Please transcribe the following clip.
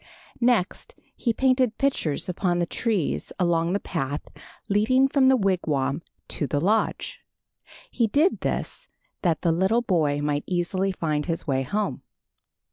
Next he painted pictures upon the trees along the path leading from the wigwam to the lodge. He did this that the little boy might easily find his way home.